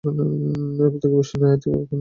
এর থেকে বেশি না, এর থেকে কম না।